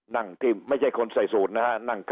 นั่งที่ไม่ใช่คนใส่สูตรนะฮะ